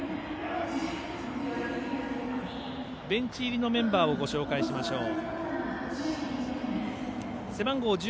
ベンチ入りのメンバーをご紹介します。